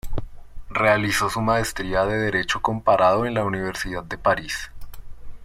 Realizó su maestría de derecho comparado en la Universidad de París.